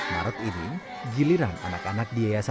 maret ini giliran anak anak di yayasan